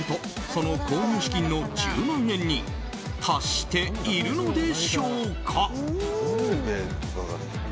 その購入資金の１０万円に達しているのでしょうか。